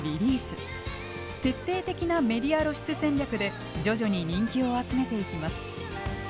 徹底的なメディア露出戦略で徐々に人気を集めていきます。